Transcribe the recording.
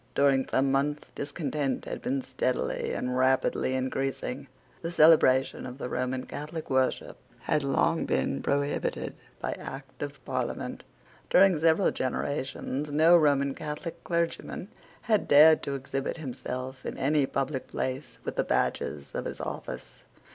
During some months discontent had been steadily and rapidly increasing. The celebration of the Roman Catholic worship had long been prohibited by Act of Parliament. During several generations no Roman Catholic clergyman had dared to exhibit himself in any public place with the badges of his office.